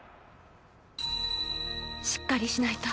「しっかりしないと。